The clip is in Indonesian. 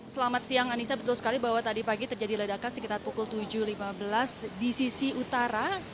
selamat siang anissa betul sekali bahwa tadi pagi terjadi ledakan sekitar pukul tujuh lima belas di sisi utara